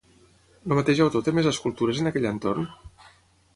El mateix autor té més escultures en aquell entorn?